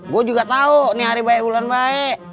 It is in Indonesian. gua juga tau nih hari baik bulan baik